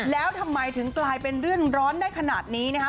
แล้วทำไมถึงกลายเป็นเรื่องร้อนได้ขนาดนี้นะคะ